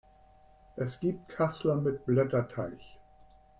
Es gibt Kassler mit Blätterteig.